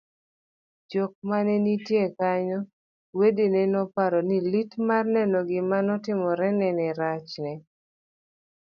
jok manenitiyie kanyo, wedene noparo ni lit mar neno gima notimorene nerachne